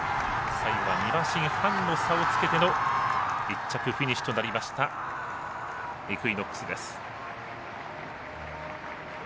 最後は２馬身半の差をつけての１着フィニッシュとなりましたイクイノックスです。